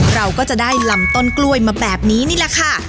เราก็จะได้ลำต้นกล้วยมาแบบนี้นี่แหละค่ะ